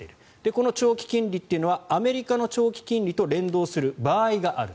この長期金利はアメリカの長期金利と連動する場合がある。